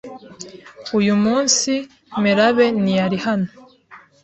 Uyu munsi Melabe ntiyari hano?